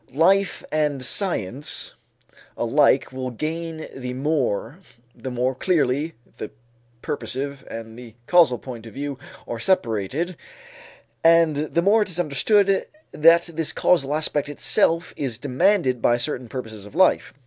Life and science alike will gain the more, the more clearly the purposive and the causal point of view are separated and the more it is understood that this causal aspect itself is demanded by certain purposes of life.